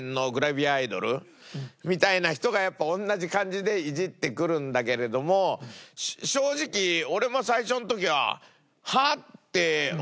みたいな人がやっぱり同じ感じでイジってくるんだけれども正直俺も最初の時は。